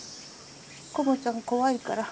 コモちゃん怖いから。